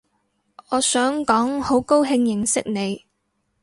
我想講好高興認識你